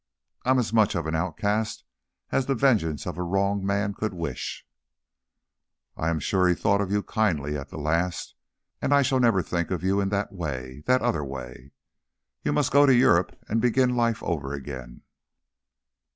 I'm as much of an outcast as the vengeance of a wronged man could wish " "I am sure he thought of you kindly at the last, and I never shall think of you in that that other way. You must go to Europe and begin life over again."